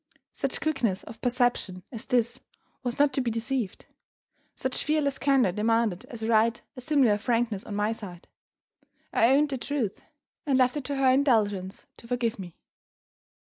Such quickness of perception as this was not to be deceived; such fearless candor demanded as a right a similar frankness on my side. I owned the truth, and left it to her indulgence to forgive me.